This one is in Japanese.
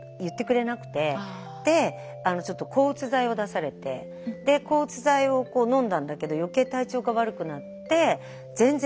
でちょっと抗うつ剤を出されてで抗うつ剤をのんだんだけど余計体調が悪くなって全然治らない。